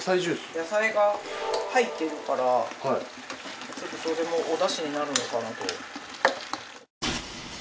野菜が入ってるからそれもお出汁になるのかなと。